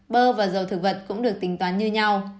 bơ và dầu thực vật cũng được tính toán như nhau